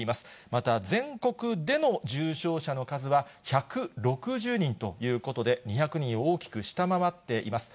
また全国での重症者の数は１６０人ということで、２００人を大きく下回っています。